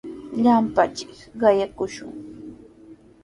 Llapanchik qayakushun.